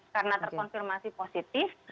karena terkonfirmasi positif